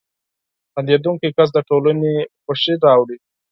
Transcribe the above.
• خندېدونکی کس د ټولنې خوښي راوړي.